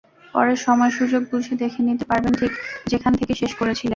পরে সময়-সুযোগ বুঝে দেখে নিতে পারবেন ঠিক যেখান থেকে শেষ করেছিলেন।